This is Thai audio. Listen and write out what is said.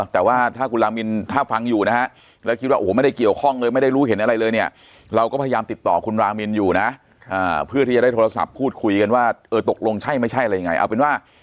แต่ว่าถ้าคุณลามินถ้าฟังอยู่นะฮะ